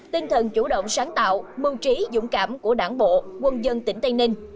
tinh thần chủ động sáng tạo mưu trí dũng cảm của đảng bộ quân dân tỉnh tây ninh